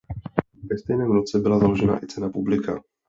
Ve stejném roce byla založena i cena publika.